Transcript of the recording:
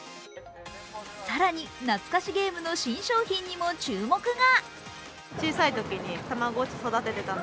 更に、懐かしゲームの新商品にも注目が。